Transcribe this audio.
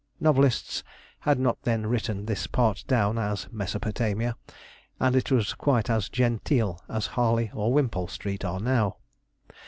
Novelists had not then written this part down as 'Mesopotamia,' and it was quite as genteel as Harley or Wimpole Street are now.